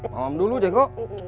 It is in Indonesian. mamam dulu jenggo